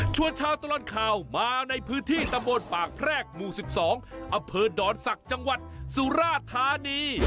ชัวร์เช้าตลอดข่าวมาในพื้นที่ตะโมนปากแพร่กมู๑๒อเภอดรศักดิ์จังหวัดสุราธานี